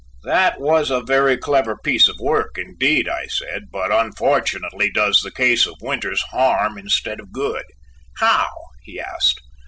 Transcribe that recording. "That was a very clever piece of work, indeed," I said, "but unfortunately does the case of Winters harm instead of good." "How?" he asked.